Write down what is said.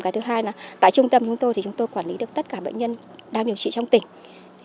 cái thứ hai là tại trung tâm chúng tôi thì chúng tôi quản lý được tất cả bệnh nhân đang điều trị trong tỉnh